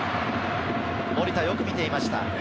守田、よく見ていました。